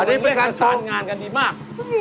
อันนี้เป็นการสร้างงานกันดีมาก